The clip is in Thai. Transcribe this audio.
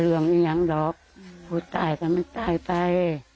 เรื่องนี้อย่างดอกว่าตายเล่นในตายไป